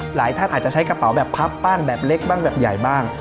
หลายท่านอาจจะใช้กระเป๋าแบบพับบ้างแบบเล็กบ้างแบบใหญ่บ้าง